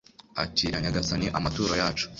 akira nyagasani, amaturo yacu